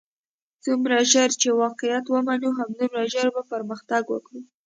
څومره ژر چې واقعیت ومنو همدومره ژر بۀ پرمختګ وکړو.